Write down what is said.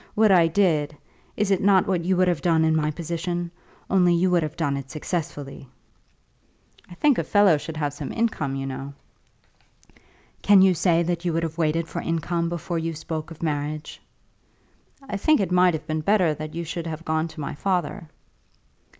What I did, is it not what you would have done in my position? only you would have done it successfully?" "I think a fellow should have some income, you know." "Can you say that you would have waited for income before you spoke of marriage?" "I think it might have been better that you should have gone to my father."